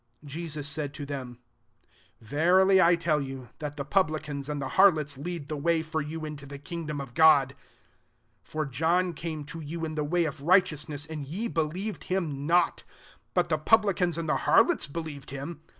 Jesus said to them, "Verilj I tell jou, that the publicans and the harlots lead the way for you into the kingdom of God. Sd For John came to you in the way of righteousness, and ye believed him not : but the pub« licans and the harlots believed him.